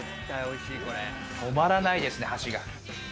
止まらないですね、箸が。